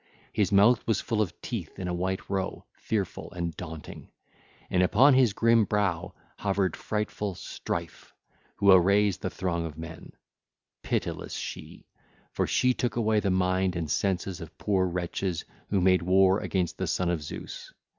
His mouth was full of teeth in a white row, fearful and daunting, and upon his grim brow hovered frightful Strife who arrays the throng of men: pitiless she, for she took away the mind and senses of poor wretches who made war against the son of Zeus.